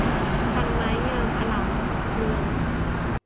พรรณไม้งามอร่ามเรือง